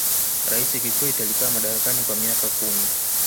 raisi kikwete alikaa madarakani kwa miaka kumi